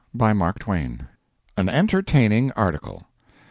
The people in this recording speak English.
BY MARK TWAIN. AN ENTERTAINING ARTICLE.